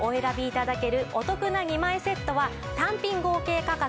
頂けるお得な２枚セットは単品合計価格